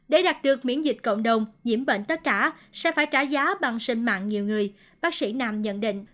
để đạt được miễn dịch cộng đồng nhiễm bệnh tất cả sẽ phải trả giá bằng sinh mạng nhiều người bác sĩ nam nhận định